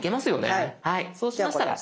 はいそうしましたら。